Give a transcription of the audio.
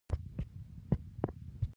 د افغانستان د نجات فرشته بولي.